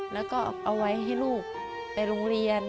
แล้วก็เอาไว้ให้ลูกไปโรงเรียน